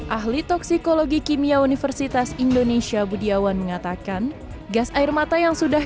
ahli toksikologi kimia universitas indonesia budiawan mengatakan gas air mata yang sudah